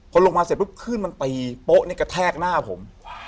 พอลงมาเสร็จปุ๊บขึ้นมันตีโป๊ะนี่กระแทกหน้าผม